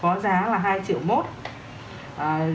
có giá là hai triệu đồng